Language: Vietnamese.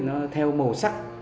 nó theo màu sắc